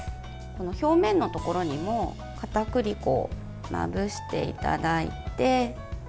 表面のところにもかたくり粉をまぶしていただいて。